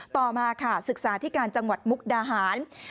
ต่อมาค่ะศึกษาที่การจังหวัดมุกดาหาร